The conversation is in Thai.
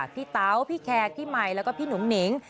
เต๋าพี่แคร์พี่ใหม่แล้วก็พี่หนุ่งหนิง